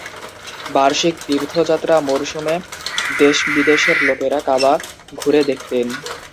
বার্ষিক তীর্থযাত্রা মরসুমে দেশ-বিদেশের লোকেরা কাবা ঘুরে দেখতেন।